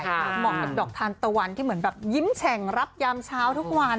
เหมาะกับดอกทานตะวันที่เหมือนแบบยิ้มแฉ่งรับยามเช้าทุกวัน